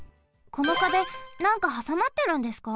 この壁なんかはさまってるんですか？